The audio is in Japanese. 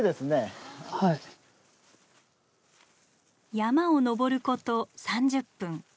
山を登ること３０分。